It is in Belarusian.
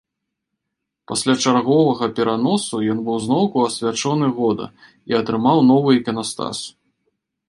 Пасля чарговага пераносу, ён быў зноўку асвячоны года і атрымаў новы іканастас.